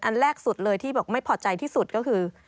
อันแรกสุดเลยที่บอกไม่พอใจที่สุดก็คือ